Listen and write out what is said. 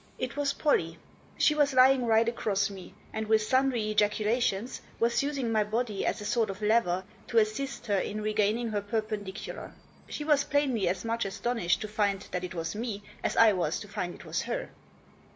It was Pollie. She was lying right across me, and, with sundry ejaculations, was using my body as a sort of lever to assist her in regaining her perpen dicular. She was plainly as much astonished to find that it was me as I was to find it was her.